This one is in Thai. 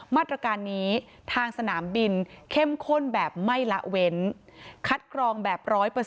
มาตรการนี้ทางสนามบินเข้มข้นแบบไม่ละเว้นคัดกรองแบบ๑๐๐